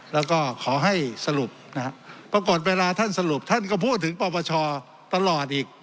แล้วก็ขอให้สรุปนะฮะปรากฏเวลาท่านสรุปท่านก็พูดถึงปปชตลอดอีก